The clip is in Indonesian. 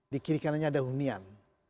di kiri kanannya ada hunian